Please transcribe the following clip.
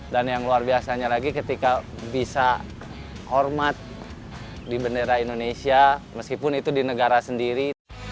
dan yang luar biasanya lagi ketika bisa hormat di bendera indonesia meskipun itu di negara sendiri